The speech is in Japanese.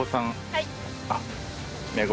はい。